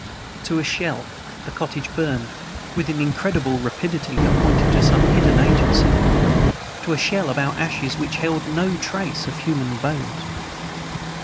To a shell the cottage burned, with an incredible rapidity which pointed to some hidden agency; to a shell about ashes which held NO TRACE OF HUMAN BONES!